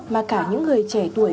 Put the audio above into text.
mà cả những người trẻ tuổi